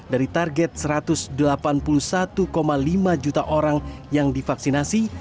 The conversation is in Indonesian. dari target satu ratus delapan puluh satu lima juta orang yang divaksinasi